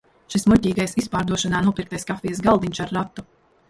Šis muļķīgais izpārdošanā nopirktais kafijas galdiņš ar ratu!